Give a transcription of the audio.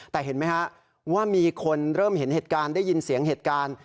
แต่เห็นไหมฮะว่ามีคนเริ่มเห็นเหตุการณ์ได้ยินเสียงเหตุการณ์